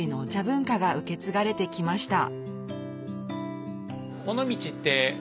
文化が受け継がれてきました